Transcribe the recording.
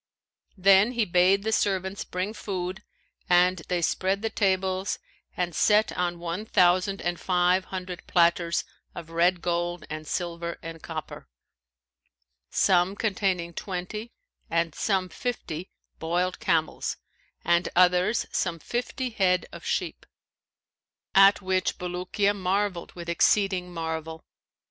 Then he bade the servants bring food and they spread the tables and set on one thousand and five hundred platters of red gold and silver and copper, some containing twenty and some fifty boiled camels, and others some fifty head of sheep; at which Bulukiya marvelled with exceeding marvel.